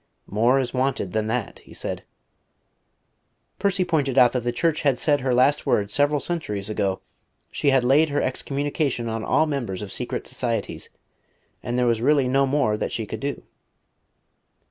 "More is wanted than that," he said. Percy pointed out that the Church had said her last word several centuries ago. She had laid her excommunication on all members of secret societies, and there was really no more that she could do.